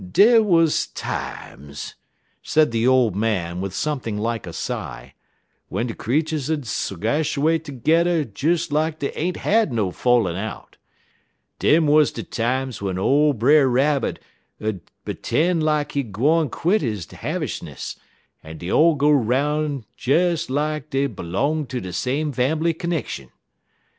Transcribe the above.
"Dey wuz times," said the old man, with something like a sigh, "w'en de creeturs 'ud segashuate tergedder des like dey ain't had no fallin' out. Dem wuz de times w'en ole Brer Rabbit 'ud 'ten 'lak he gwine quit he 'havishness, en dey'd all go 'roun' des lak dey b'long ter de same fambly connexion.